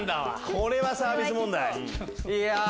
これはサービス問題。